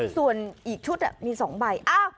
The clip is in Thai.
ส่วนอีกชุดมี๒ใบ